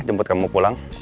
jemput kamu pulang